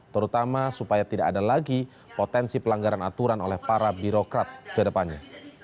terutama supaya tidak ada lagi potensi pelanggaran aturan oleh para birokrat ke depannya